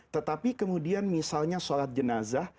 tetapi kemudian misalnya sholat jenazah